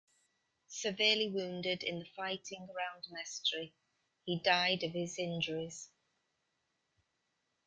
Severely wounded in the fighting round Mestre, he died of his injuries.